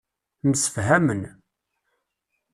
Msefhamen.